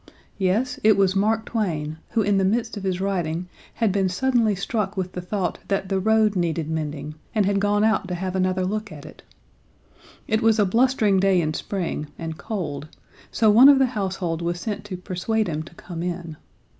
Yes, it was Mark Twain, who in the midst of his writing, had been suddenly struck with the thought that the road needed mending, and had gone out to have another look at it! It was a blustering day in Spring, and cold, so one of the household was sent to persuade him to come in.